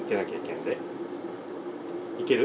いける？